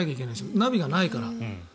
ナビがないから。